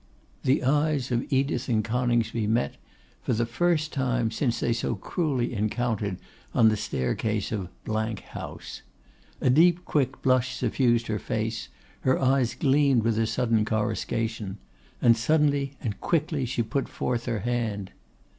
The eyes of Edith and Coningsby met for the first time since they so cruelly encountered on the staircase of House. A deep, quick blush suffused her face, her eyes gleamed with a sudden coruscation; suddenly and quickly she put forth her hand.